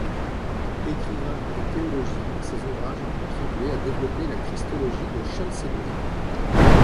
Écrivain et théologien, ses ouvrages ont contribué à développer la christologie de Chalcédoine.